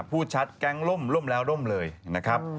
พูดชัดแก๊งล่มล่มแล้วร่มเลยนะครับ